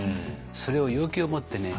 それを勇気を持ってね